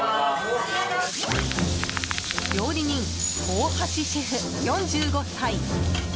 料理人・大橋シェフ、４５歳。